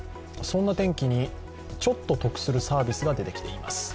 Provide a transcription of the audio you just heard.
そんな天気に、ちょっと得するサービスが出てきています。